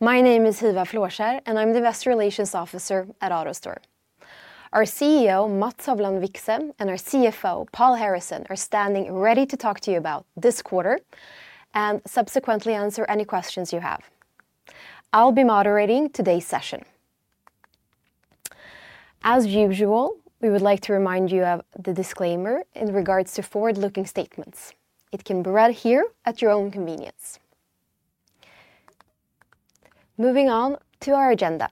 My name is Hiva Flåskjer and I'm the Investor Relations Officer at AutoStore. Our CEO Mats Hovland Vikse and our CFO Paul Harrison are standing ready to talk to you about this quarter and subsequently answer any questions you have. I'll be moderating today's session as usual. We would like to remind you of the disclaimer in regards to forward-looking statements. It can be read here at your own convenience. Moving on to our agenda,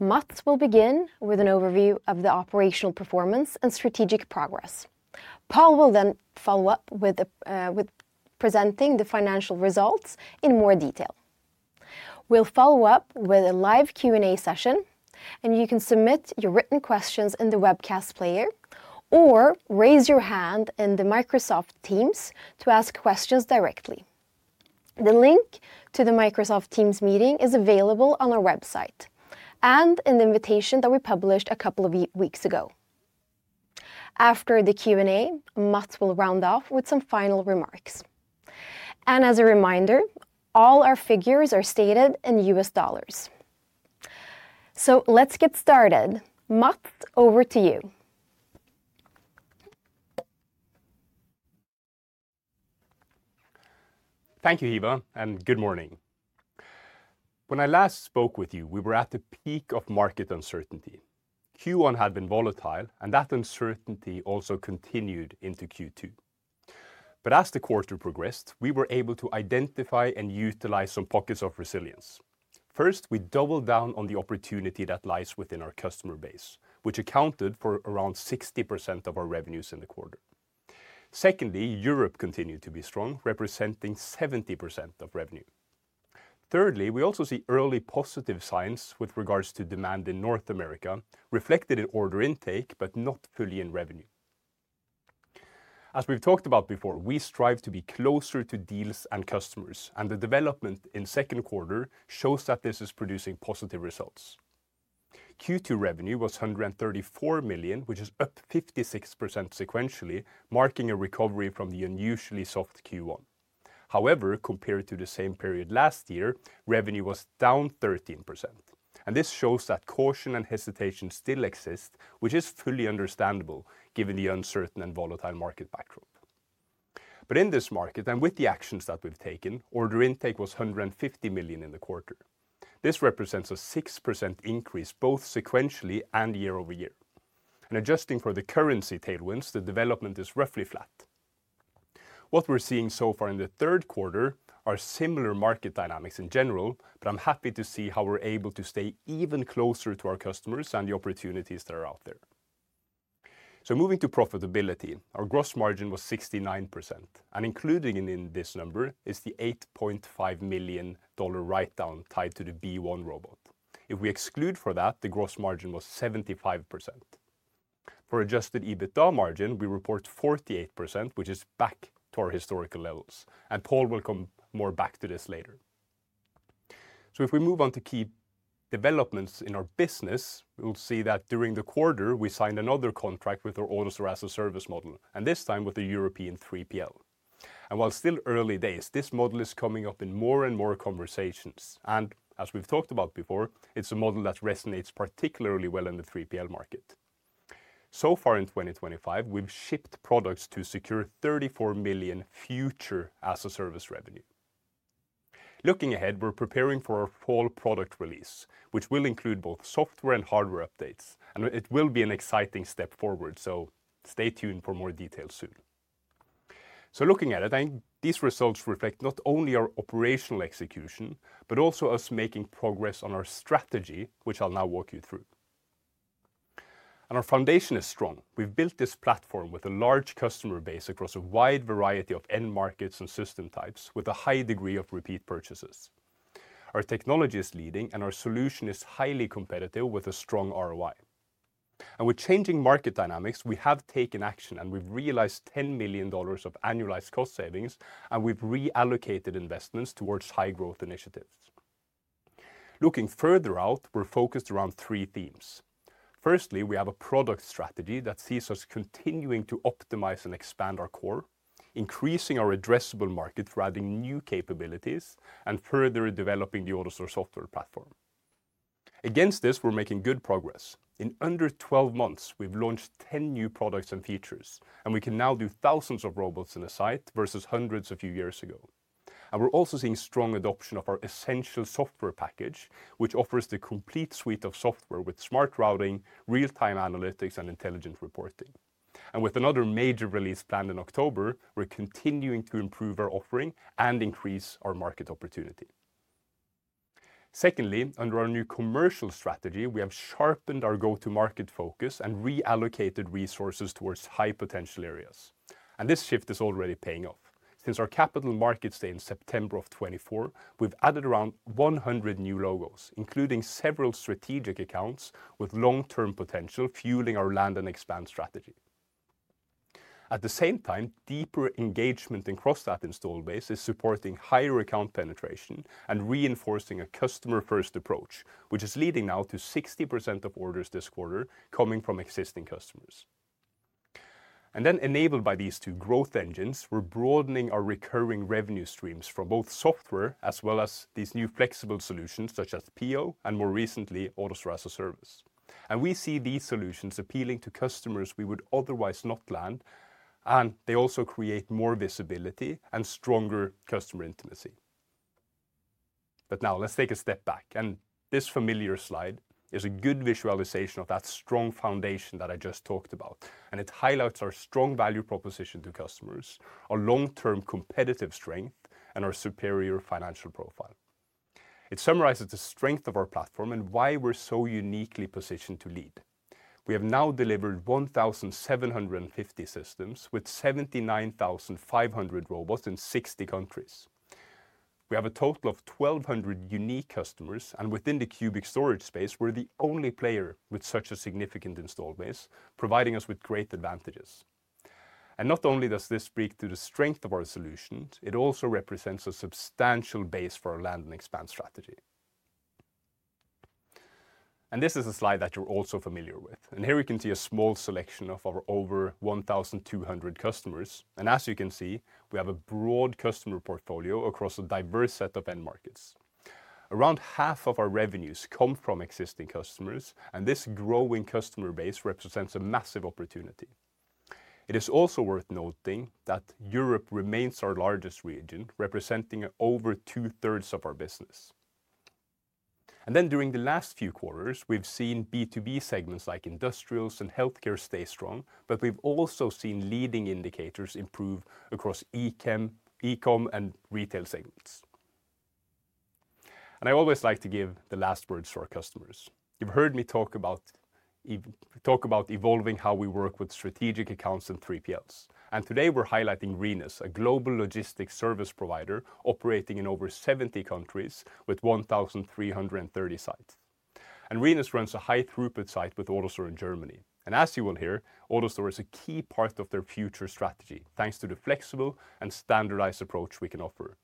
Mats will begin with an overview of the operational performance and strategic progress. Paul will then follow up with presenting the financial results in more detail. We'll follow up with a live Q&A session and you can submit your written questions in the webcast player or raise your hand in Microsoft Teams to ask questions directly. The link to the Microsoft Teams meeting is available on our website and in an invitation that we published a couple of weeks ago. After the Q&A, Mats will round off with some final remarks and as a reminder, all our figures are stated in U.S. dollars. Let's get started. Mats, over to you. Thank you, Eva, and good morning. When I last spoke with you, we were at the peak of market uncertainty. Q1 had been volatile, and that uncertainty also continued into Q2. As the quarter progressed, we were able to identify and utilize some pockets of resilience. First, we doubled down on the opportunity that lies within our customer base, which accounted for around 60% of our revenues in the quarter. Secondly, Europe continued to be strong, representing 70% of revenue. Thirdly, we also see early positive signs with regards to demand in North America, reflected in order intake but not fully in revenue. As we've talked about before, we strive to be closer to deals and customers, and the development in the second quarter shows that this is producing positive results. Q2 revenue was $134 million, which is up 56% sequentially, marking a recovery from the unusually soft Q1. However, compared to the same period last year, revenue was down 13%, and this shows that caution and hesitation still exist, which is fully understandable given the uncertain and volatile market backdrop. In this market and with the actions that we've taken, order intake was $150 million in the quarter. This represents a 6% increase both sequentially and year-over-year, and adjusting for the currency tailwinds, the development is roughly flat. What we're seeing so far in the third quarter are similar market dynamics in general, but I'm happy to see how we're able to stay even closer to our customers and the opportunities that are out there. Moving to profitability, our gross margin was 69%, and included in this number is the $8.5 million write-down tied to the B1 robot line. If we exclude that, the gross margin was 75%. For adjusted EBITDA margin, we report 48%, which is back to our historical levels, and Paul will come back to this later. If we move on to key developments in our business, we'll see that during the quarter we signed another contract with our AutoStore as a Service model, and this time with the European 3PL provider. While still early days, this model is coming up in more and more conversations. As we've talked about before, it's a model that resonates particularly well in the 3PL market. So far in 2025, we've shipped products to secure $34 million future as a service revenue. Looking ahead, we're preparing for our fall product release, which will include both software and hardware updates, and it will be an exciting step forward, so stay tuned for more details soon. Looking at it, these results reflect not only our operational execution, but also us making progress on our strategy, which I'll now walk you through, and our foundation is strong. We've built this platform with a large customer base across a wide variety of end markets and system types with a high degree of repeat purchases. Our technology is leading, and our solution is highly competitive with a strong ROI. With changing market dynamics, we have taken action, and we've realized $10 million of annualized cost savings and we've reallocated investment towards high growth initiatives. Looking further out, we're focused around three themes. Firstly, we have a product strategy that sees us continuing to optimize and expand our core, increasing our addressable market, adding new capabilities, and further developing the AutoStore software platform. Against this, we're making good progress. In under 12 months, we've launched 10 new products and features, and we can now do thousands of robots in a site versus hundreds a few years ago. We're also seeing strong adoption of our Essentials software package, which offers the complete suite of software with smart routing, real-time analytics, and intelligent reporting. With another major release planned in October, we're continuing to improve our offering and increase our market opportunity. Secondly, under our new commercial strategy, we have sharpened our go-to-market focus and reallocated resources towards high potential areas, and this shift is already paying off. Since our Capital Markets Day in September 2024, we've added around 100 new logos, including several strategic accounts with long-term potential, fueling our land and expand strategy. At the same time, deeper engagement across that installed base is supporting higher account penetration and reinforcing a customer-first approach, which is leading now to 60% of orders this quarter coming from existing customers. Enabled by these two growth engines, we're broadening our recurring revenue streams for both software as well as these new flexible solutions such as Pio and, more recently, AutoStore as a Service. We see these solutions appealing to customers we would otherwise not have planned, and they also create more visibility and stronger customer intimacy. Now let's take a step back, and this familiar slide is a good visualization of that strong foundation that I just talked about. It highlights our strong value proposition to customers, our long-term competitive strength, and our superior financial profile. It summarizes the strength of our platform and why we're so uniquely positioned to lead. We have now delivered 1,750 systems with 79,500 robots in 60 countries. We have a total of 1,200 unique customers. Within the cubic storage space, we're the only player with such a significant install base, providing us with great advantages. Not only does this speak to the strength of our solutions, it also represents a substantial base for our land and expand strategy. This is a slide that you're also familiar with. Here we can see a small selection of our over 1,200 customers. As you can see, we have a broad customer portfolio across a diverse set of end markets. Around 1/2 of our revenues come from existing customers. This growing customer base represents a massive opportunity. It is also worth noting that Europe remains our largest region, representing over 2/3 of our business. During the last few quarters, we've seen B2B segments like industrials and healthcare stay strong. We've also seen leading indicators improve across e-chem, e-com, and retail segments. I always like to give the last words to our customers. You've heard me talk about evolving how we work with strategic accounts and 3PLs. Today we're highlighting Rhenus, a global logistics service provider operating in over 70 countries with 1,330 sites. Rhenus runs a high throughput site with AutoStore in Germany. As you will hear, AutoStore is a key part of their future strategy thanks to the flexible and standardized approach we can offer.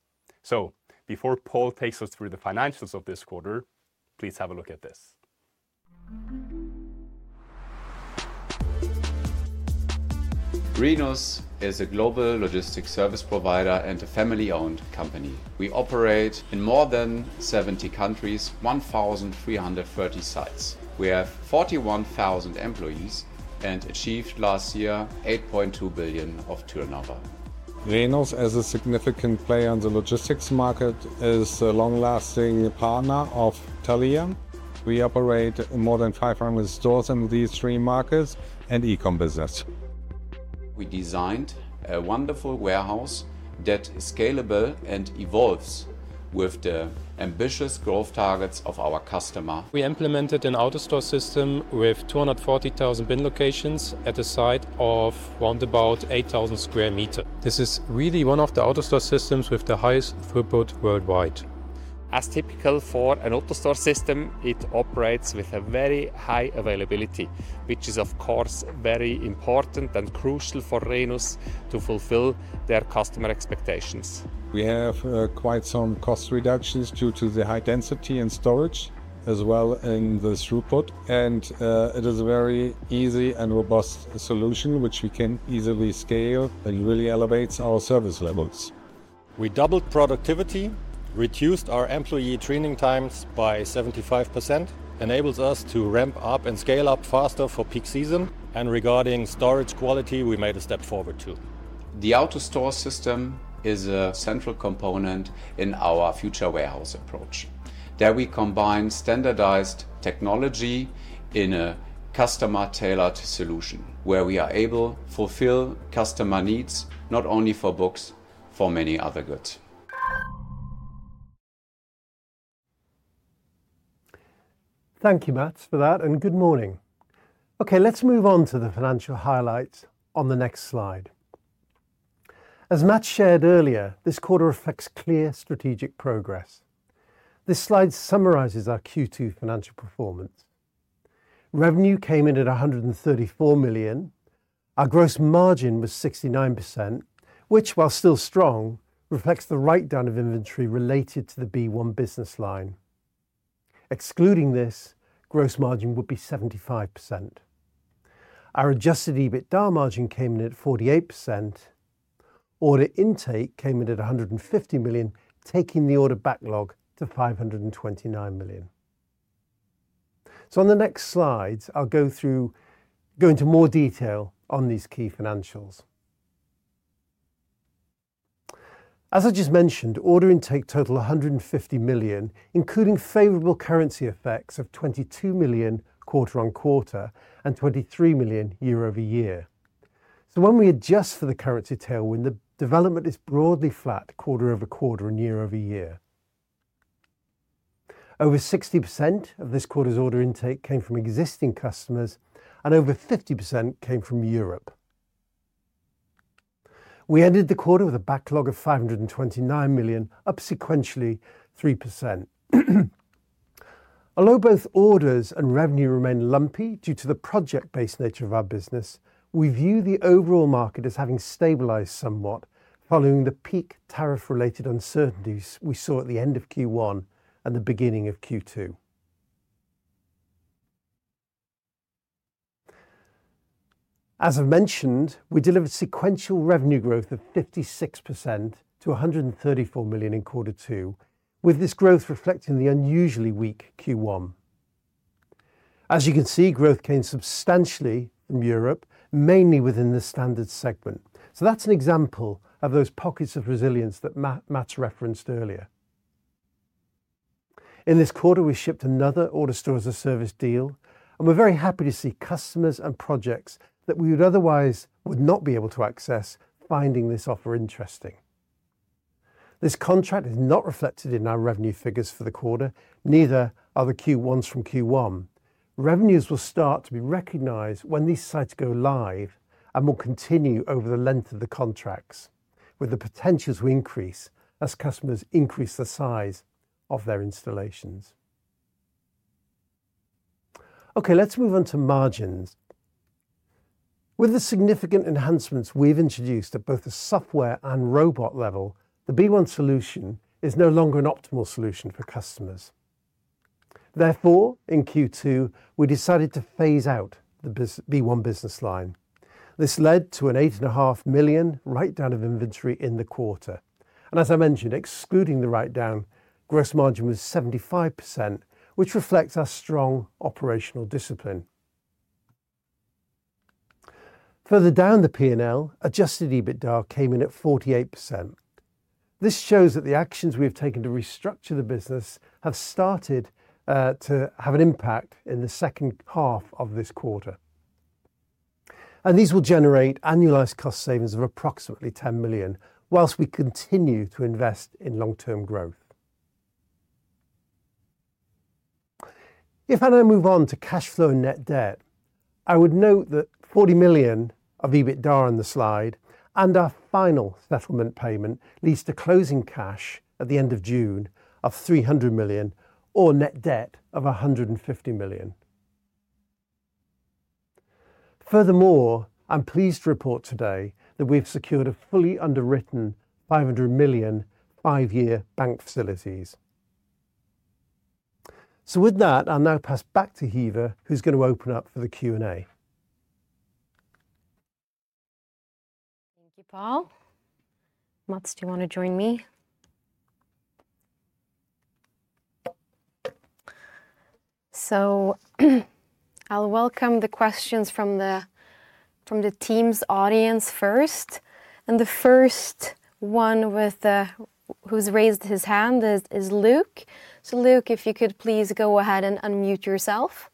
Before Paul takes us through the financials of this quarter, please have a look at this. Rhenus is a global logistics service provider and a family-owned company. We operate in more than 70 countries, 1,330 sites. We have 41,000 employees and achieved last year $8.2 billion of turnover. Rhenus as a significant player in the logistics market is a long-lasting partner of Thalea. We operate more than 500 stores in these three markets and e-com business. We designed a wonderful warehouse that is scalable and evolves with the ambitious growth targets of our customer. We implemented an AutoStore system with 240,000 bin locations at a site of roundabout 8,000 square meter. This is really one of the AutoStore systems with the highest throughput worldwide. As typical for an AutoStore system, it. Operates with a very high availability, which is of course very important and crucial. For AutoStore to fulfill their customer expectations. We have quite some cost reductions due to the high density and storage as well in the throughput, and it is a very easy and robust solution which we can easily scale and really elevates our service levels. We doubled productivity, reduced our employee training times by 75%, enables us to ramp up and scale up faster for peak season, and regarding storage quality, we made. A step forward, too. The AutoStore system is a central component in our future warehouse approach. There we combine standardized technology in a customer-tailored solution, where we are able to fulfill customer needs not only for books. For many other goods. Thank you, Mats, for that and good morning. Okay, let's move on to the financial highlights on the next slide. As Mats shared earlier, this quarter reflects clear strategic progress. This slide summarizes our Q2 financial performance. Revenue came in at $134 million. Our gross margin was 69%, which, while still strong, reflects the write-down of inventory related to the B1 robot line. Excluding this, gross margin would be 75%. Our adjusted EBITDA margin came in at 48%. Order intake came in at $150 million, taking the order backlog to $529 million. On the next slide, I'll go into more detail on these key financials. As I just mentioned, order intake totaled $150 million, including favorable currency effects of $22 million quarter-on-quarter and $23 million year-over-year. When we adjust for the currency tailwind, the development is broadly flat quarter-over-quarter and year-over-year. Over 60% of this quarter's order intake came from existing customers and over 50% came from Europe. We ended the quarter with a backlog of $529 million, up sequentially 3%. Although both orders and revenue remain lumpy due to the project-based nature of our business, we view the overall market as having stabilized somewhat following the peak tariff-related uncertainties we saw at the end of Q1 and the beginning of Q2. As I've mentioned, we delivered sequential revenue growth of 56% to $134 million in Q2, with this growth reflecting the unusually weak Q1. As you can see, growth came substantially from Europe, mainly within the standard segment. That's an example of those pockets of resilience that Mats referenced earlier. In this quarter, we shipped another AutoStore as a Service deal and we're very happy to see customers and projects that we otherwise would not be able to access finding this offer interesting. This contract is not reflected in our revenue figures for the quarter. Neither are the ones from Q1. Revenues will start to be recognized when these sites go live and will continue over the length of the contracts with the potential to increase as customers increase the size of their installations. Okay, let's move on to margins. With the significant enhancements we've introduced at both the software and robot level, the B1 solution is no longer an optimal solution for customers. Therefore, in Q2 we decided to phase out the B1 robot line. This led to an $8.5 million write-down of inventory in the quarter. As I mentioned, excluding the write-down, gross margin was 75% which reflects our strong operational discipline. Further down the P&L, adjusted EBITDA came in at 48%. This shows that the actions we have taken to restructure the business have started to have an impact in the second half of this quarter. These will generate annualized cost savings of approximately $10 million whilst we continue to invest in long-term growth. If I now move on to cash flow and net debt, I would note that $40 million of EBITDA on the slide and our final settlement payment leads to closing cash at the end of June of $300 million or net debt of $150 million. Furthermore, I'm pleased to report today that we have secured a fully underwritten $500 million five-year bank facilities. With that, I'll now pass back to Hiva who's going to open up for the Q&A. Thank you, Paul. Do you want to join me? I'll welcome the questions from the team's audience first, and the first one who's raised his hand is Luke. Luke, if you could please go ahead and unmute yourself.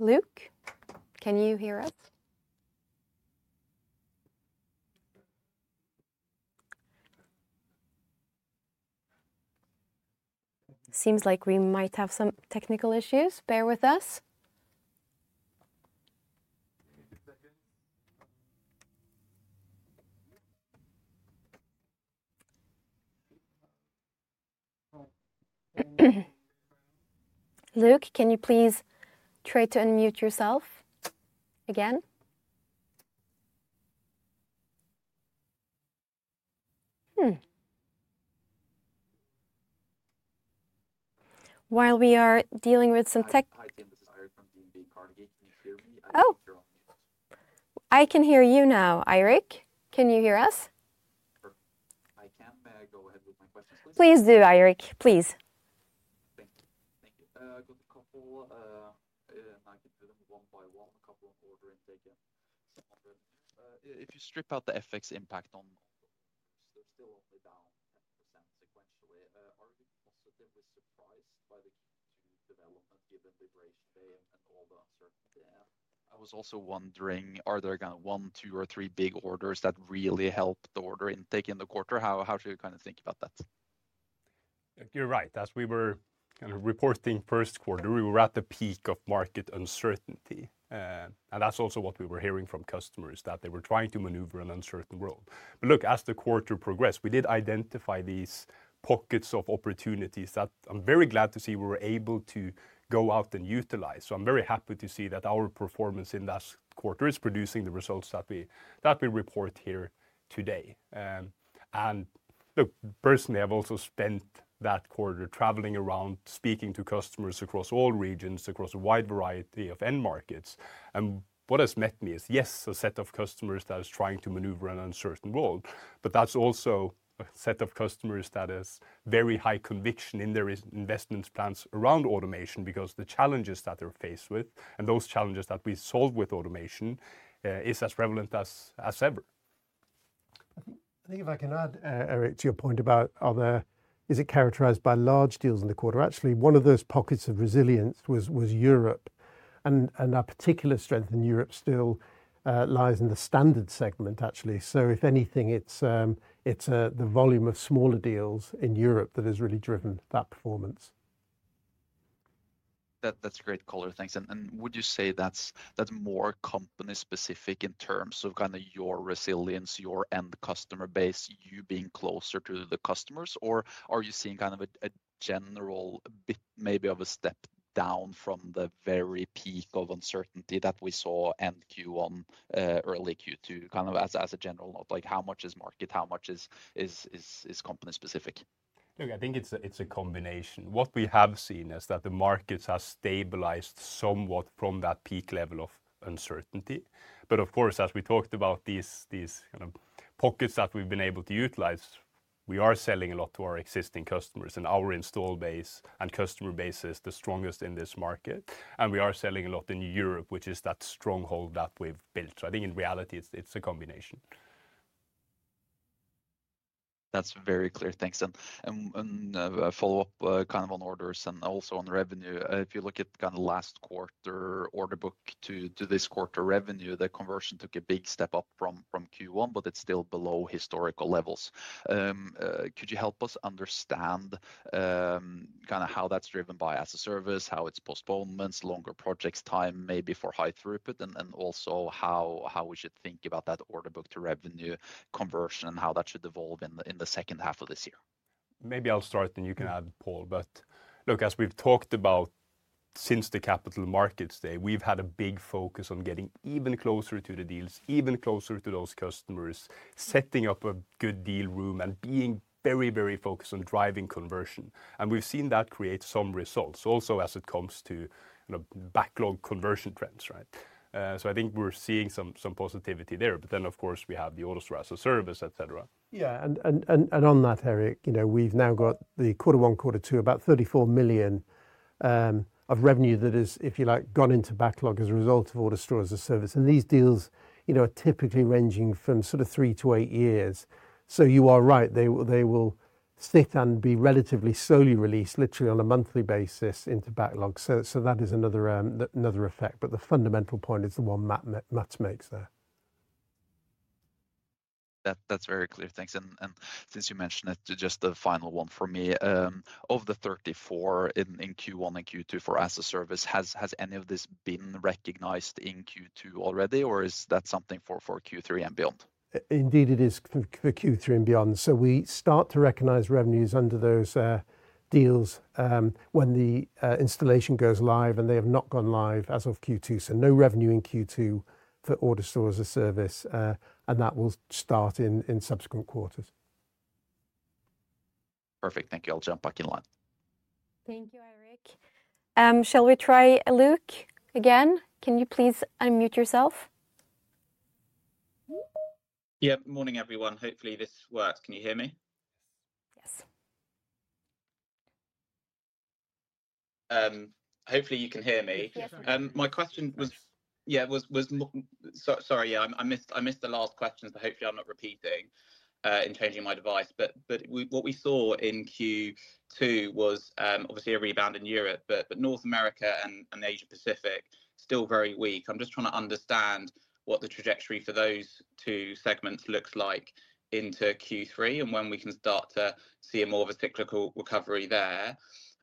Luke, can you hear us? Seems like we might have some technical issues. Bear with us. Luke, can you please try to unmute yourself again? While we are dealing with some tech, I can hear you now. [Eirik], can you hear us? Please do. [Eirik], please. One by one, couple of ordering. If you strip out the FX impact, they're still only down 10% sequentially. Are you positively surprised by the Q2? Development given we braced by them and all done so yeah. I was also wondering, are there one, two, or three big orders that really helped the order intake in the quarter? How should you kind of think about that? You're right. As we were kind of reporting first quarter, we were at the peak of market uncertainty, and that's also what we were hearing from customers, that they were trying to maneuver an uncertain world. As the quarter progressed, we did identify these pockets of opportunities that I'm very glad to see we were able to go out and utilize. I'm very happy to see that our performance in this quarter is producing the results that we report here today. Personally, I've also spent that quarter traveling around speaking to customers across all regions, across a wide variety of end markets. What has met me is yes, a set of customers that is trying to maneuver an uncertain world, but that's also a set of customers that has very high conviction in their investment plans around automation because the challenges that they're faced with and those challenges that we solve with automation is as prevalent as ever, I think. If I can add, [Eirik], to your point about is it characterized by large deals in the quarter? Actually, one of those pockets of resilience was Europe. Our particular strength in Europe still lies in the standard segment actually. If anything, it's the volume of smaller deals in Europe that has really driven that performance. That's great color. Thanks. Would you say that's more company specific in terms of your resilience, your end customer base, you being closer to the customers? Are you seeing kind of a general maybe of a step down from the very peak of uncertainty that we saw end Q1 early Q2 as a general note, like how much is market, how much is company specific? I think it's a combination. What we have seen is that the markets have stabilized somewhat from that peak level of uncertainty. Of course, as we talked about these pockets that we've been able to utilize, we are selling a lot to our existing customers and our installed base, and our customer base is the strongest in this market. We are selling a lot in Europe, which is that stronghold that we've built. I think in reality it's a combination. That's very clear. Thanks. A follow-up kind of on orders and also on revenue. If you look at kind of last quarter order book to this quarter revenue, the conversion took a big step up from Q1, but it's still below historical levels. Could you help us understand kind of how that's driven by as a service, how it's postponements, longer projects, time maybe for high throughput, and also how we should think about that order book to revenue conversion and how that should evolve in the second half of this year. Maybe I'll start and you can add, Paul. Look, as we've talked about since the capital markets day, we've had a big focus on getting even closer to the deals, even closer to those customers, setting up a good deal room and being very, very focused on driving conversion. We've seen that create some results also as it comes to backlog conversion trends. I think we're seeing some positivity there. Of course, we have the AutoStore as a Service, etc. Yeah. On that, [Eirik], we've now got the quarter one, quarter two, about $34 million of revenue. That is, if you like, gone into backlog as a result of AutoStore as a Service. These deals are typically ranging from sort of 3-8 years. You are right, they will sit and be relatively slowly released literally on a monthly basis into backlog. That is another effect. The fundamental point is the one Mats makes there. That's very clear. Thanks. Since you mentioned it, just the final one for me, of the 34 in Q1 and Q2 for AutoStore as a Service, has any of this been recognized in Q2 already, or is that something for Q3 and beyond? Indeed it is for Q3 and beyond. We start to recognize revenues under those deals when the installation goes live, and they have not gone live as of Q2. No revenue in Q2 for AutoStore as a Service. That will start in subsequent quarters. Perfect. Thank you. I'll jump back in line. Thank you, [Eirik]. Shall we try Luke again? Can you please unmute yourself? Yeah. Morning, everyone. Hopefully this works. Can you hear me? Yes. Hopefully you can hear me. My question was, sorry I missed the last question, but hopefully I'm not repeating in changing my device. What we saw in Q2 was obviously a rebound in Europe, but North America and APAC still very weak. I'm just trying to understand what the trajectory for those two segments looks like into Q3 and when we can start to see more of a cyclical recovery there.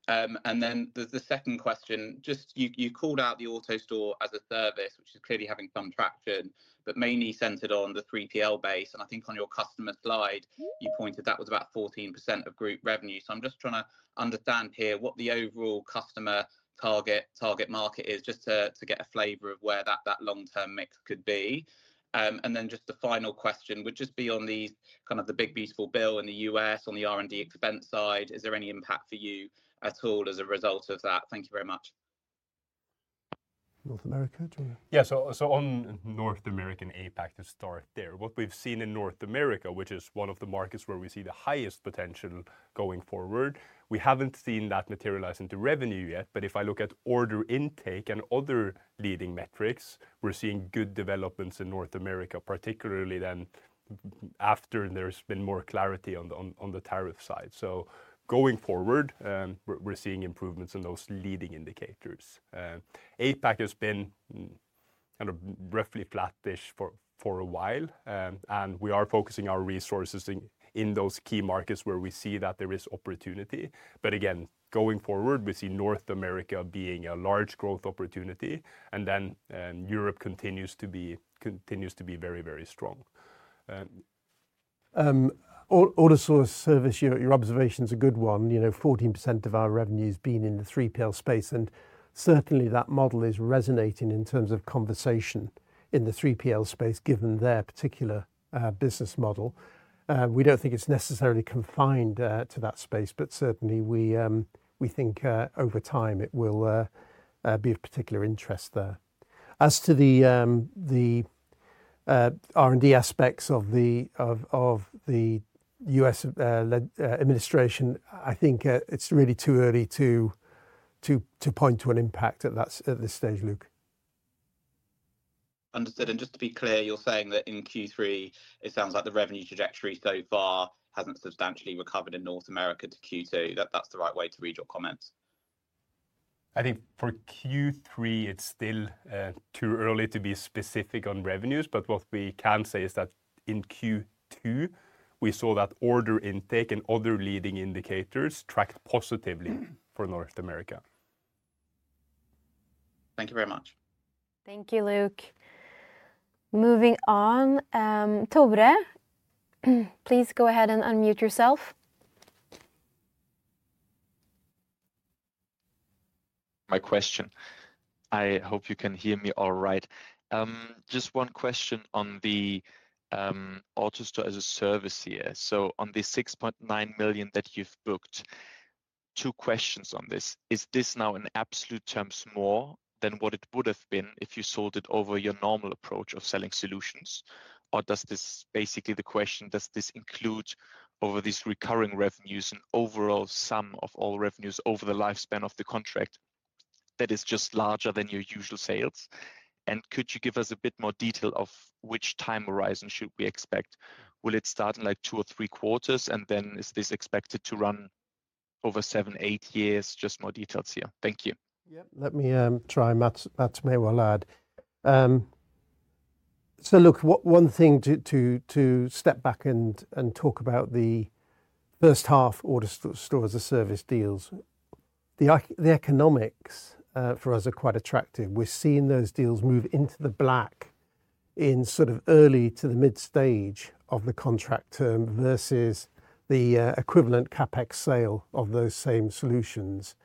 The second question, you called out the AutoStore as a Service, which is clearly having some traction, but mainly centered on the 3PL base and I think on your customer slide you pointed that was about 14% of group revenue. I'm just trying to understand here what the overall customer target market is just to get a flavor of where that long-term mix could be. The final question would just be on these kind of the big beautiful build in the U.S. on the R&D expense side, is there any impact for you at all as a result of that? Thank you very much. North America... Yeah, on North America and APAC, to start there, what we've seen in North America, which is one of the markets where we see the highest potential going forward, we haven't seen that materialize into revenue yet. If I look at order intake, other leading metrics, we're seeing good developments in North America, particularly after there's been more clarity on the tariff side. Going forward we're seeing improvements in those leading indicators. APAC has been kind of roughly flat for a while and we are focusing our resources in those key markets where we see that there is opportunity. Going forward we see North America being a large growth opportunity and Europe continues to be very, very strong. Order source service. Your observation is a good one. You know, 14% of our revenue's been in the 3PL space. That model is resonating in terms of conversation in the 3PL space, given their particular business model. We don't think it's necessarily confined to that space, but we think over time it will be of particular interest there. As to the R&D aspects of the U.S. administration, I think it's really too early to point to an impact at this stage. Luke. Understood. Just to be clear, you're saying that in Q3 it sounds like the revenue trajectory so far hasn't substantially recovered in North America to Q2, that that's the right way to read your comments. I think for Q3 it's still too early to be specific on revenues. What we can say is that in Q2 we saw that order intake and other leading indicators tracked positively for North America. Thank you very much. Thank you, Luke. Moving on. [Tobre], please go ahead and unmute yourself. My question. I hope you can hear me. All right, just one question on the AutoStore as a Service here. On the $6.9 million that you've booked, two questions on this. Is this now in absolute terms more than what it would have been if you sold it over your normal approach of selling solutions, or does this basically, the question, does this include over these recurring revenues and overall sum of all revenues over the lifespan of the contract that is just larger than your usual sales? Could you give us a bit more detail of which time horizon should we expect? Will it start in like two or three quarters and then is this expected to run over seven, eight years? Just more details here. Thank you. Yeah, let me try. Mats may well add. Look, one thing to step back and talk about: the first half AutoStore as a Service deals, the economics for us are quite attractive. We're seeing those deals move into the black in sort of early to the mid stage of the contract term versus the equivalent CapEx sale of those same solutions.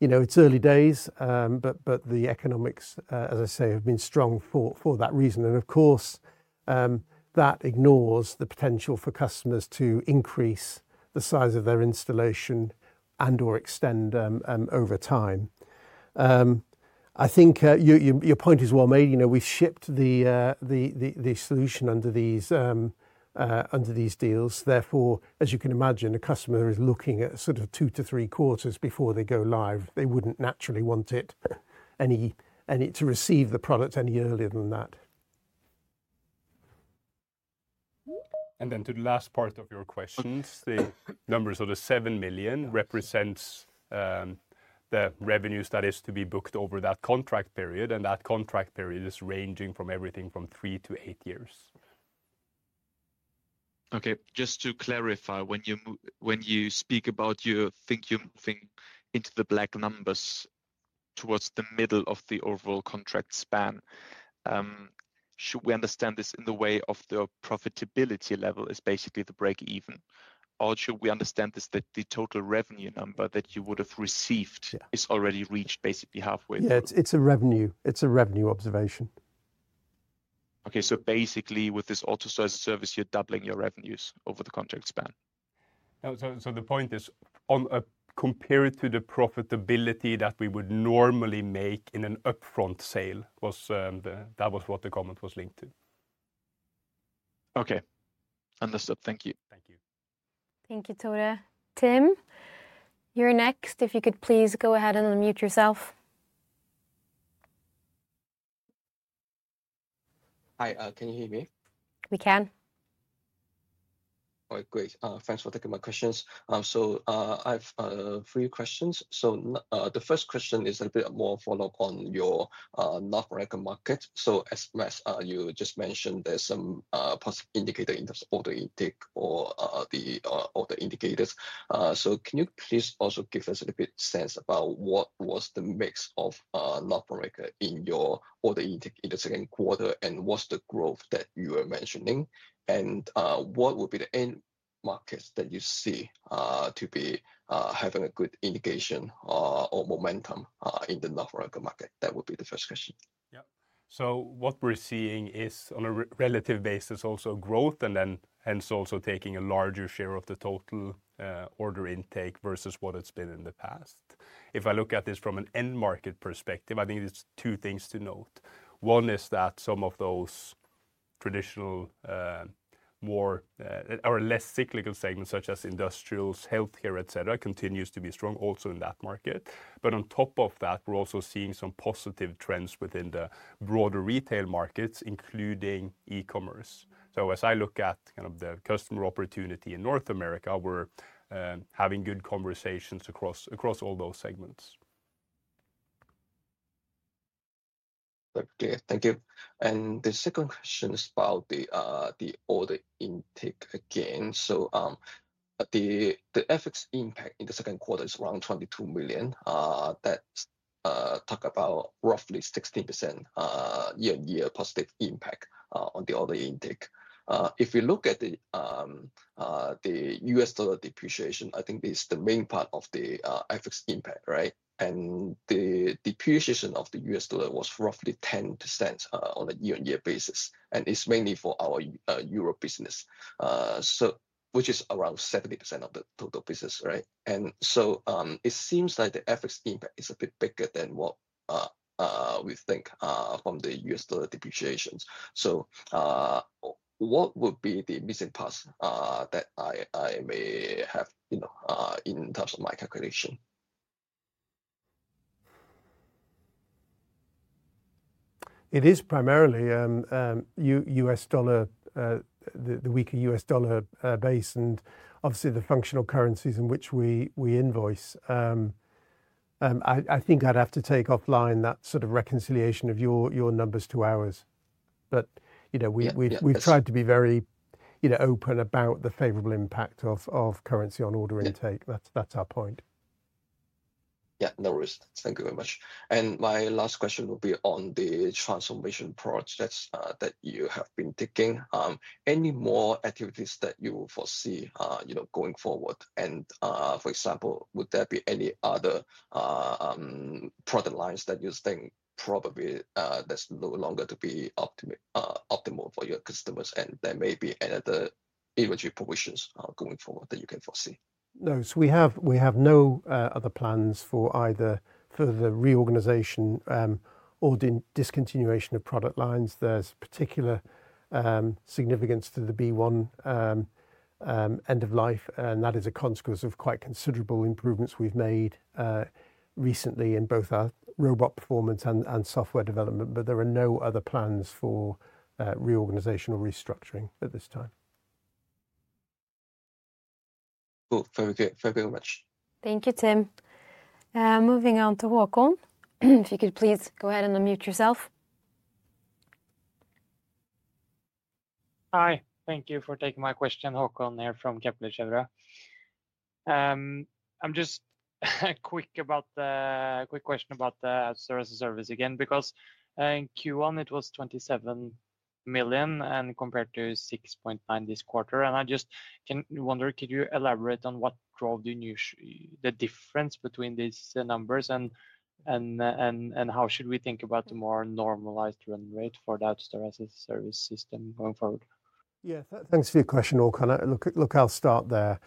You know it's early days, but the economics, as I say, have been strong for that reason. Of course, that ignores the potential for customers to increase the size of their installation and or extend over time. I think your point is well made. You know we shipped the solution under these deals. Therefore, as you can imagine, a customer is looking at sort of two to three quarters before they go live. They wouldn't naturally want to receive the product any earlier than that. The last part of your questions, the number sort of $7 million represents the revenues that is to be booked over that contract period. That contract period is ranging from everything from 3-8 years. Okay, just to clarify, when you speak about, you think into the black numbers towards the middle of the overall contract span, should we understand this in the way of the profitability level is basically the break even, or should we understand this that the total revenue number that you would have received is already reached basically halfway? Yeah, it's a revenue observation. Okay, so basically with this AutoStore as a Service you're doubling your revenues over the contract span. The point is compared to the profitability that we would normally make in an upfront sale, that was what the government was linked to. Okay, understood. Thank you. Thank you. Thank you. [Tobre], Tim, you're next. If you could please go ahead and unmute yourself. Hi, can you hear me? We can. All right, great. Thanks for taking my questions. I have three questions. The first question is a bit more follow-up on your North America market. As Mats, you just mentioned, there's some indicator in terms of order intake or other indicators. Can you please also give us a little bit of sense about what was the mix of North America in the second quarter and what's the growth that you are mentioning, and what would be the end markets that you see to be having a good indication or momentum in the North America market? That would be the first question. Yeah. What we're seeing is on a relative basis also growth, and hence also taking a larger share of the total order intake versus what it's been in the past. If I look at this from an end market perspective, I think it's two things to note. One is that some of those traditional, more or less cyclical segments such as industrials, healthcare, etc., continue to be strong also in that market. On top of that, we're also seeing some positive trends within the broader retail markets, including e-commerce. As I look at kind of the customer opportunity in North America, we're having good conversations across all those segments. Thank you. The second question is about the order intake again. The FX impact in the second quarter is around $22 million. That is roughly a 16% year-on-year positive impact on the order intake. If we look at the U.S. dollar depreciation, I think it is the main part of the FX impact. Right. The depreciation of the U.S. dollar was roughly 10% on a year-on-year basis. It's mainly for our euro business, which is around 70% of the total business. It seems like the FX impact is a bit bigger than what we think from the U.S. dollar depreciations. What would be the missing parts that I may have in terms of my calculation? It is primarily U.S. dollar, the weaker U.S. dollar base and obviously the functional currencies in which we invoice. I think I'd have to take offline that sort of reconciliation of your numbers to ours. We've tried to be very open about the favorable impact of currency on order intake. That's our point. No worries. Thank you very much. My last question will be on the transformation projects that you have been taking. Any more activities that you will foresee going forward? For example, would there be any other product lines that you think probably are no longer optimal for your customers, and there may be another inventory provisions going forward that you can foresee? No. We have no other plans for either further reorganization or discontinuation of product lines. There's particular significance to the B1 end of life, and that is a consequence of quite considerable improvements we've made recently in both our robot performance and software development. There are no other plans for reorganization or restructuring at this time. Cool. Thank you. Thank you very much. Thank you, Tim. Moving on to Håkon, if you could please go ahead and unmute yourself. Hi, thank you for taking my question. Håkon here from Kepler Cheuvreux. I'm just quick about the quick question about the service again because in Q1 it was $27 million and compared to $6.9 million this quarter. I just can wonder, could you elaborate on what drove the difference between these numbers and how should we think about the more normalized run rate for that service system going forward? Yeah, thanks for your question Håkon. Look, I'll start there.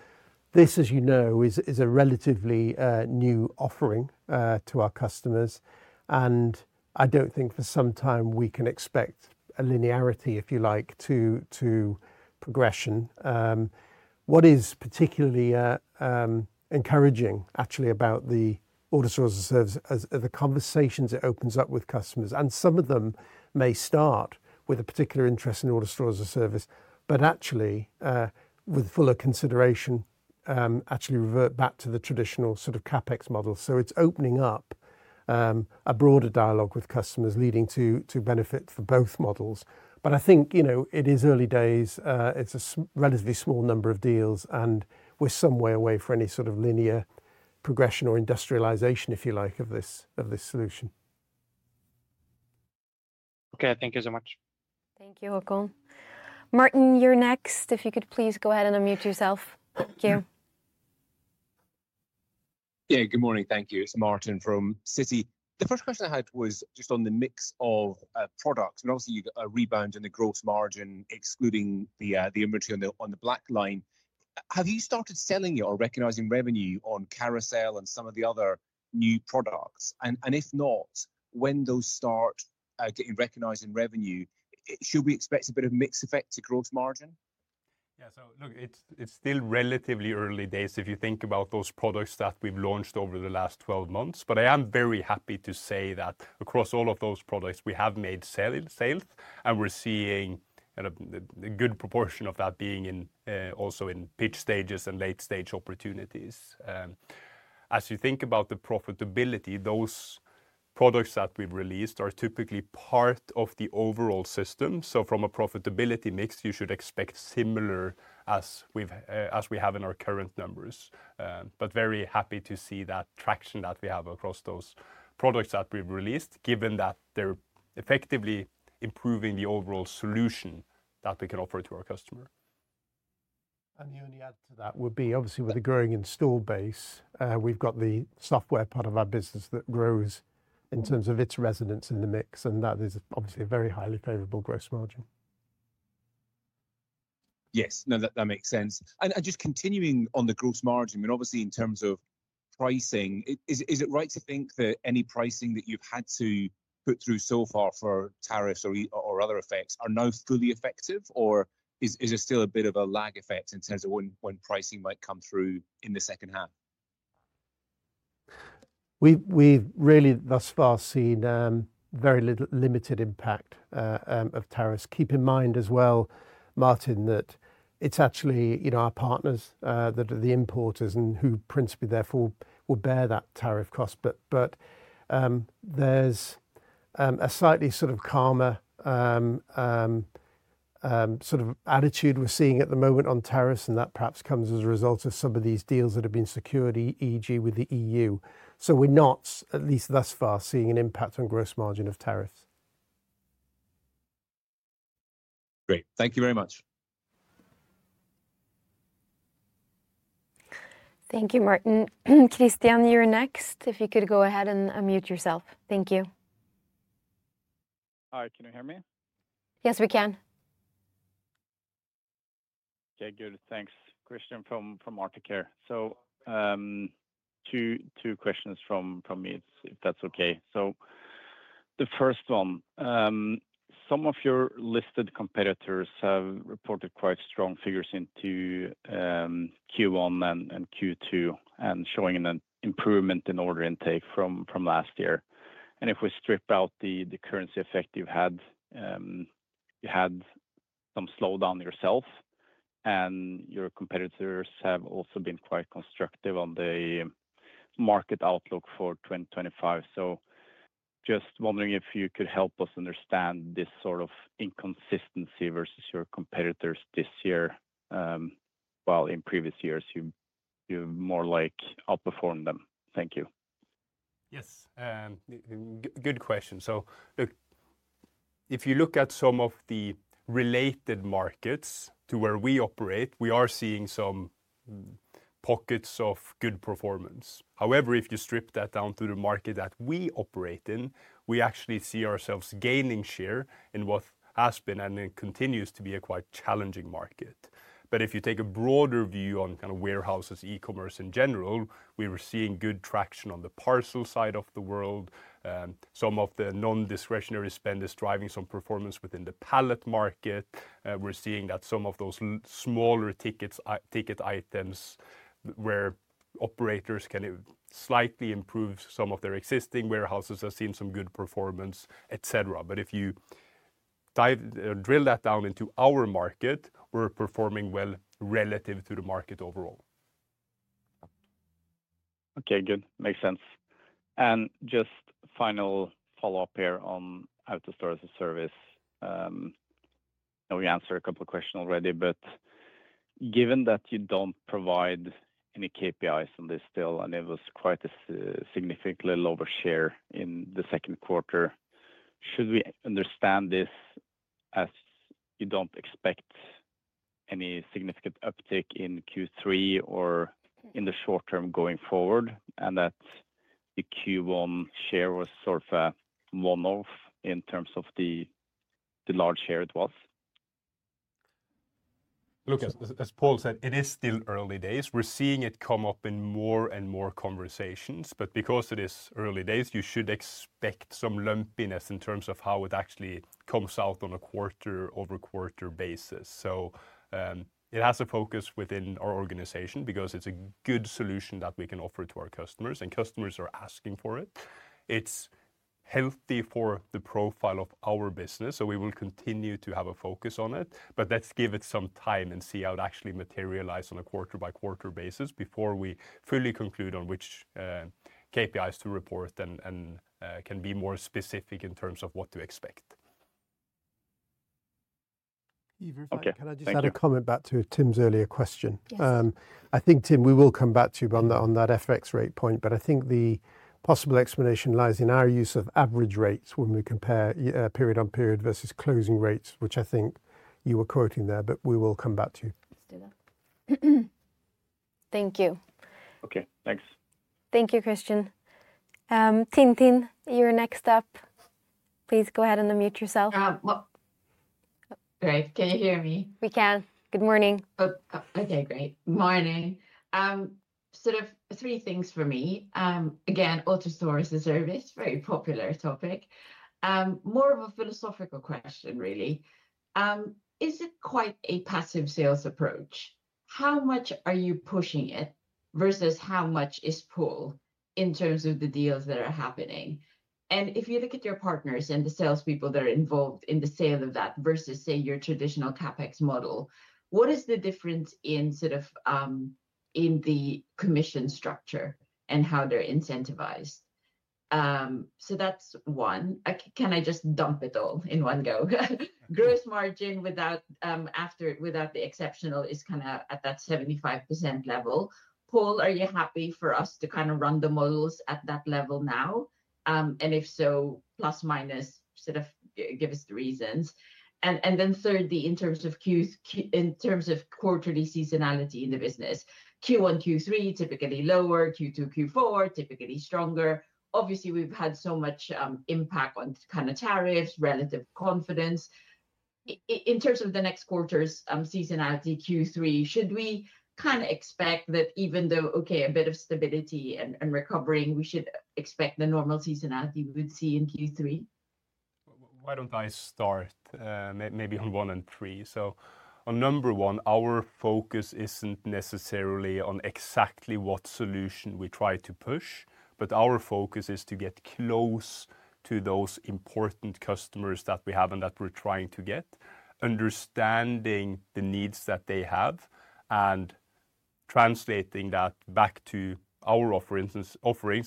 This, as you know, is a relatively new offering to our customers, and I don't think for some time we can expect a linearity, if you like, to progression. What is particularly encouraging actually about the AutoStore as a Service are the conversations it opens up with customers, and some of them may start with a particular interest in AutoStore as a Service, but actually with fuller consideration actually revert back to the traditional sort of CapEx model. It's opening up a broader dialogue with customers, leading to benefit for both models. I think it is early days, it's a relatively small number of deals, and we're some way away from any sort of linear progression or industrialization, if you like, of this solution. Okay, thank you so much. Thank you. Martin, you're next. If you could please go ahead and unmute yourself. [Q]. Yeah, good morning. Thank you. It's Martin from Citi. The first question I had was just on the mix of products and obviously you got a rebound in the gross margin excluding the inventory on the B1 robot line. Have you started selling or recognizing revenue on Carousel AI and some of the other new products, and if not, when those start getting recognized in revenue, should we expect a bit of mix effect to gross margin? Yeah, so look, it's still relatively early days if you think about those products that we've launched over the last 12 months. I am very happy to say that across all of those products we have made sales, and we're seeing a good proportion of that being also in pitch stages and late stage opportunities. As you think about the profitability, those products that we've released are typically part of the overall system. From a profitability mix, you should expect similar as we have in our current numbers, but very happy to see that traction that we have across those products that we've released given that they're effectively improving the overall solution that we can offer to our customer. The only add to that would be obviously with the growing install base we've got the software part of our business that grows in terms of its resonance in the mix, and that is obviously a very highly favorable gross margin. Yes, that makes sense. Just continuing on the gross margin, obviously, in terms of pricing, is it right to think that any pricing that you've had to put through so far for tariffs or other effects are now fully effective, or is there still a bit of a lag effect in terms of when pricing might come through in the second half? We've really thus far seen very limited impact of tariffs. Keep in mind as well, Martin, that it's actually, you know, our partners that are the importers and who principally therefore will bear that tariff cost. There's a slightly sort of calmer sort of attitude we're seeing at the moment on tariffs, and that perhaps comes as a result of some of these deals that have been secured, e.g., with the EU. We're not at least thus far seeing an impact on gross margin of tariffs. Great, thank you very much. Thank you, Martin. Christian, you're next. If you could go ahead and unmute yourself, thank you. All right, can you hear me? Yes, we can. Okay, good. Thanks. Christian from Articare. Two questions from me if that's okay. The first one, some of your listed competitors have reported quite strong figures into Q1 and Q2 and showing an improvement in order intake from last year. If we strip out the currency effect you've had, you had some slowdown yourself. Your competitors have also been quite constructive on the market outlook for 2025. I am just wondering if you could help us understand this sort of inconsistency versus your competitors this year, while in previous years you more like outperformed them. Thank you. Yes, good question. If you look at some of the related markets to where we operate, we are seeing some pockets of good performance. However, if you strip that down to the market that we operate in, we actually see ourselves gaining share in what has been and continues to be a quite challenging market. If you take a broader view on kind of warehouses, e-commerce in general, we were seeing good traction on the parcel side of the world. Some of the non-discretionary spend is driving some performance within the pallet market. We're seeing that some of those smaller ticket items where operators can slightly improve some of their existing warehouses have seen some good performance, etc. If you drill that down into our market, we're performing well relative to the market overall. Okay, good, makes sense. Just final follow up here on AutoStore as a Service. We answered a couple of questions already, but given that you do not provide any KPIs on this still and it was quite a significant little over share in the second quarter, should we understand this as you do not expect any significant uptick in Q3 or in the short term going forward and that the Q1 share was sort of a one off in terms of the large share? It was. Look, as Paul said, it is still early days. We're seeing it come up in more and more conversations. Because it is early days, you should expect some lumpiness in terms of how it actually comes out on a quarter-over-quarter basis. It has a focus within our organization because it's a good solution that we can offer to our customers and customers are asking for it. It's healthy for the profile of our business. We will continue to have a focus on it. Let's give it some time and see how it actually materializes on a quarter-by-quarter basis before we fully conclude on which KPIs to report and can be more specific in terms of what to expect. Can I just add a comment back to Tim's earlier question? I think, Tim, we will come back to you on that FX rate point. I think the possible explanation lies in our use of average rates when we compare period on period versus closing rates, which I think you were quoting there. We will come back to you. Thank you. Okay, thanks. Thank you. Christian. Tintin, you're next up. Please go ahead and unmute yourself. Great. Can you hear me? We can. Good morning. Okay, great morning. Sort of three things for me again. AutoStore as a Service, very popular topic. More of a philosophical question really. Is it quite a passive sales approach? How much are you pushing it versus how much is pull in terms of the deals that are happening? If you look at your partners and the salespeople that are involved in the sale of that versus, say, your traditional CapEx model, what is the difference in the commission structure and how they're incentivized? That's one. Can I just dump it all in one go? Gross margin, without the exceptional, is kind of at that 75% level. Paul, are you happy for us to kind of run the models at that level now? If so, plus minus, sort of give us the reasons. Then thirdly, in terms of quarterly seasonality in the business, Q1, Q3 typically lower, Q2, Q4 typically stronger. Obviously we've had so much impact on tariffs, relative confidence in terms of the next quarter's seasonality. Q3, should we kind of expect that even though, okay, a bit of stability and recovering, we should expect the normal seasonality we would see in Q3. Why don't I start maybe on one and three? On number one, our focus isn't necessarily on exactly what solution we try to push, but our focus is to get close to those important customers that we have and that we're trying to get, understanding the needs that they have and translating that back to our offerings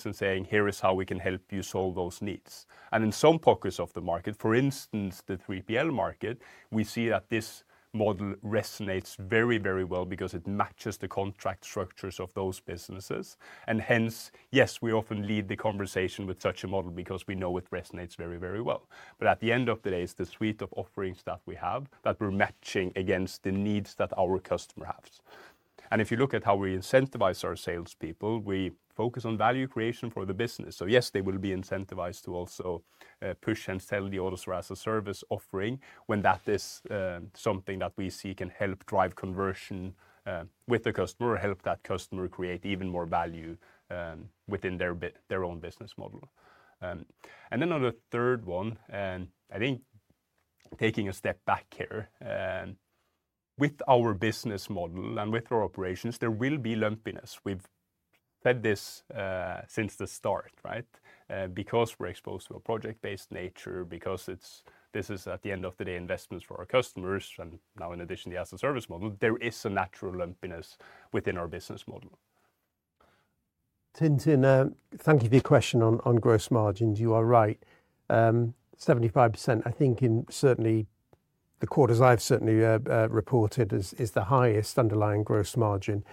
and saying, here is how we can help you solve those needs. In some pockets of the market, for instance, the 3PL market, we see that this model resonates very, very well because it matches the contract structures of those businesses. Yes, we often lead the conversation with such a model because we know it resonates very, very well. At the end of the day, it's the suite of offerings that we have that we're matching against the needs that our customer has. If you look at how we incentivize our salespeople, we focus on value creation for the business. Yes, they will be incentivized to also push and sell the AutoStore as a Service offering when that is something that we see can help drive conversion with the customer, help that customer create even more value within their own business model. On the third one, and I think taking a step back here with our business model and with our operations, there will be lumpiness. We've said this since the start, right? We're exposed to a project-based nature because this is at the end of the day investments for our customers. In addition, the as a service model, there is a natural lumpiness within our business model. Tintin, thank you for your question. On gross margins, you are right. 75%, I think in certainly the quarters I've certainly reported is the highest underlying gross margin.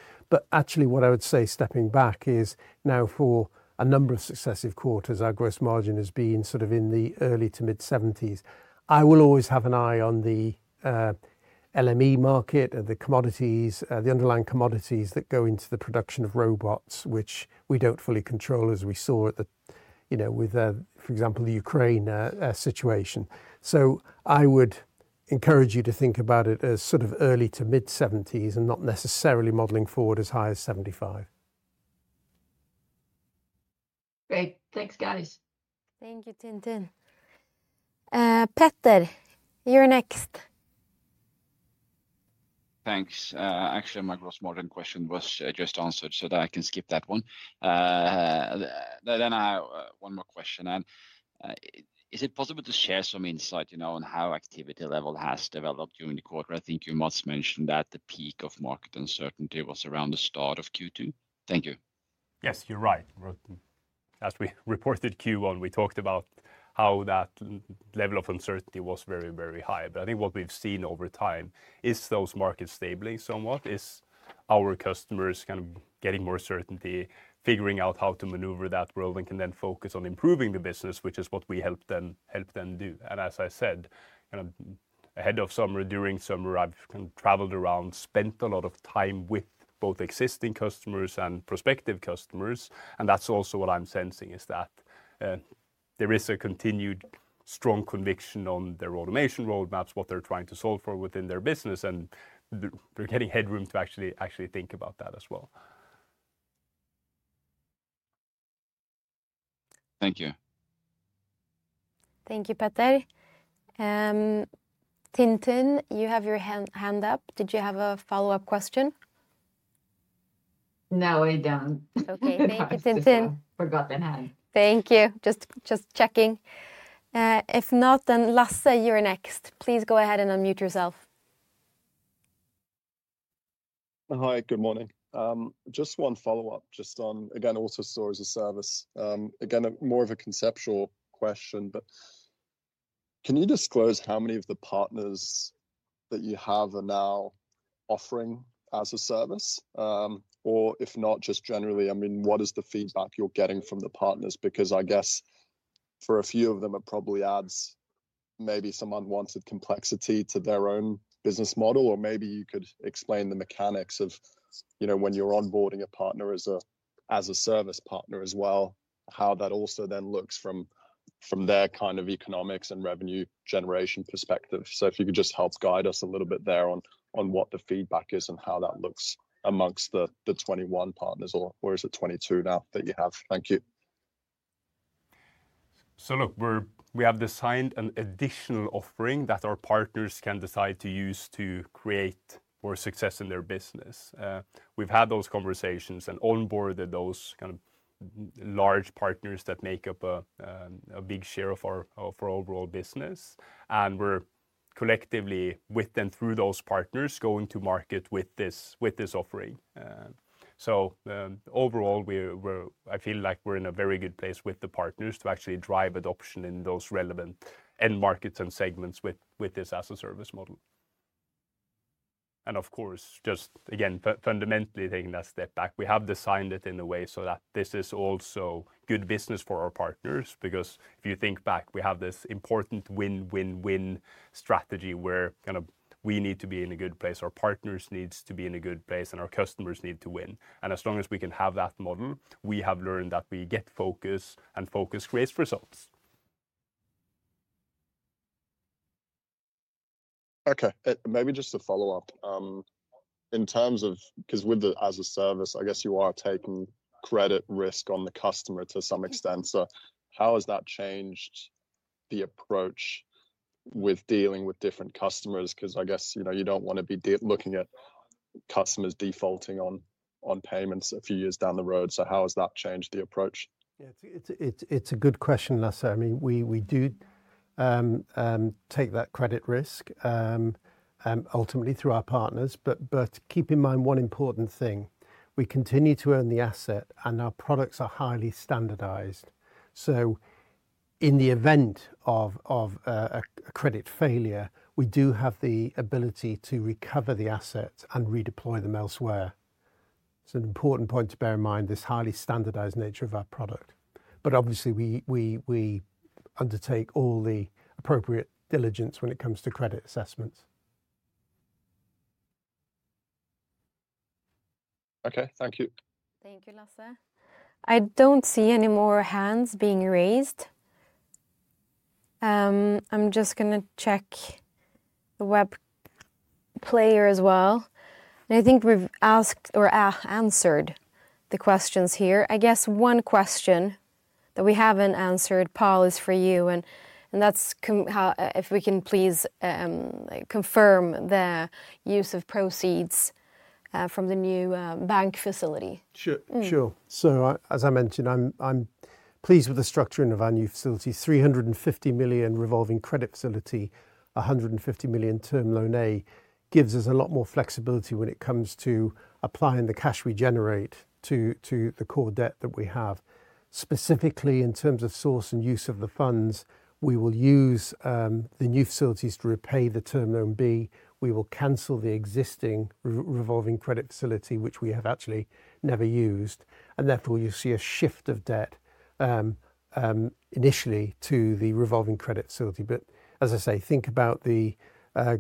Actually, what I would say stepping back is now for a number of successive quarters, our gross margin has been sort of in the early to mid-70%. I will always have an eye on the LME market and the commodities, the underlying commodities that go into the production of robots which we don't fully control as we saw, for example, with the Ukraine situation. I would encourage you to think about it as sort of early to mid-70% and not necessarily modeling forward as high as 75%. Great, thanks guys. Thank you. [Petter], you're next. Thanks. Actually, my gross margin question was just answered, so I can skip that one. I have one more question. Is it possible to share some insight on how activity level has developed during the quarter? I think you must mention that the peak of market uncertainty was around the start of Q2. Thank you. Yes, you're right. As we reported Q1, we talked about how that level of uncertainty was very, very high. What we've seen over time is those markets stabling somewhat as our customers are getting more certainty, figuring out how to maneuver that world and can then focus on improving the business, which is what we help them do. As I said ahead of summer, during summer, I've traveled around, spent a lot of time with both existing customers and prospective customers. That's also what I'm sensing, that there is a continued strong conviction on their automation roadmaps, what they're trying to solve for within their business, and they're getting headroom to actually think about that as well. Thank you. Thank you, [Petter]. Tintin, you have your hand up. Did you have a follow-up question? No, I don't. Thank you, Tintin. Thank you. Just checking. If not, Lasse, you're next. Please go ahead and unmute yourself. Hi, good morning. Just one follow-up. Just on again, AutoStore as a Service. Again, more of a conceptual question, but can you disclose how many of the partners that you have are now offering as a service? Or if not, just generally, I mean, what is the feedback you're getting from the partners? Because I guess for a few of them it probably adds maybe some unwanted complexity to their own business model, or maybe you could explain the mechanics of when you're onboarding a partner as a service partner as well, how that also then looks from their kind of economics and revenue generation perspective. If you could just help guide us a little bit there on what the feedback is and how that looks amongst the 21 partners, or is it 22 now that you have. Thank you. We have designed an additional offering that our partners can decide to use to create more success in their business. We've had those conversations and onboarded those large partners that make up a big share of our overall business, and we're collectively with and through those partners going to market with this offering. Overall, I feel like we're in a very good place with the partners to actually drive adoption in those relevant end markets and segments with this as a service model. Of course, just again fundamentally taking that step back, we have designed it in a way so that this is also good business for our partners. Because if you think back, we have this important win, win, win strategy where we need to be in a good place, our partners need to be in a good place, and our customers need to win. As long as we can have that model, we have learned that we get focus, and focus creates results. Okay, maybe just a follow-up in terms of, because with the as a service, I guess you are taking credit risk on the customer to some extent. How has that changed the approach with dealing with different customers? I guess you know you don't want to be looking at customers defaulting on payments a few years down the road. How has that changed the approach? Yeah, it's a good question, Nasser. I mean, we do take that credit risk ultimately through our partners. Keep in mind one important thing: we continue to earn the asset, and our products are highly standardized. In the event of a credit failure, we do have the ability to recover the assets and redeploy them elsewhere. It's an important point to bear in mind, this highly standardized nature of our product. Obviously, we undertake all the appropriate diligence when it comes to credit assessments. Okay, thank you. Thank you, Lasse. I don't see any more hands being raised. I'm just going to check the web player as well. I think we've asked or answered the questions here. I guess one question that we haven't answered, Paul, is for you. And that's if we can please confirm the use of proceeds from the new bank facility. Sure. As I mentioned, I'm pleased with the structure in our new facilities. $350 million revolving credit facility and $150 million term loan A give us a lot more flexibility when it comes to applying the cash we generate to the core debt that we have. Specifically, in terms of source and use of the funds, we will use the new facilities to repay the term loan B. We will cancel the existing revolving credit facility, which we have actually never used. Therefore, you see a shift of debt initially to the revolving credit facility. As I say, think about the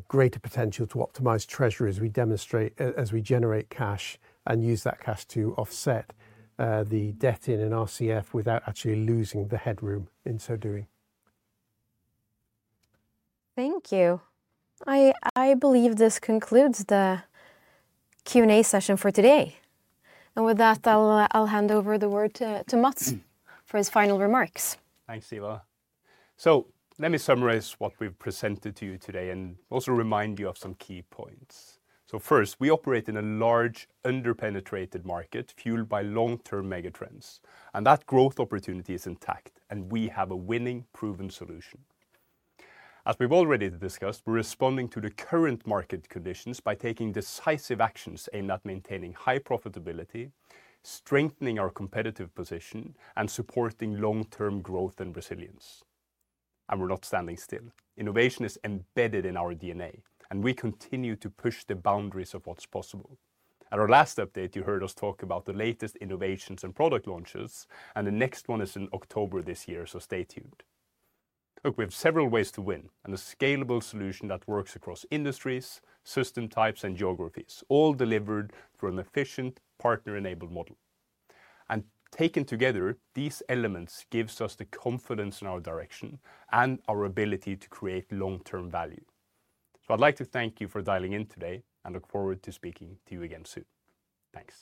greater potential to optimize treasury as we demonstrate, as we generate cash and use that cash to offset the debt in an RCF without actually losing the headroom in so doing. Thank you. I believe this concludes the Q and A session for today. With that, I'll hand over the word to Mats for his final remarks. Thanks, Hiva. Let me summarize what we've presented to you today and also remind you of some key points. First, we operate in a large, underpenetrated market fueled by long-term megatrends. That growth opportunity is intact, and we have a winning, proven solution. As we've already discussed, we're responding to the current market conditions by taking decisive actions aimed at maintaining high profitability, strengthening our competitive position, and supporting long-term growth and resilience. We're not standing still. Innovation is embedded in our DNA, and we continue to push the boundaries of what's possible. At our last update, you heard us talk about the latest innovations and product launches, and the next one is in October this year. Stay tuned. We have several ways to win and a scalable solution that works across industries, system types, and geographies, all delivered through an efficient, partner-enabled model. Taken together, these elements give us the confidence in our direction and our ability to create long-term value. I'd like to thank you for dialing in today and look forward to speaking to you again soon. Thanks.